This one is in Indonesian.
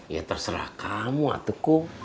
ya terserah kamu atukum